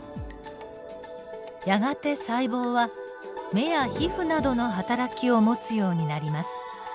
やがて細胞は目や皮膚などのはたらきを持つようになります。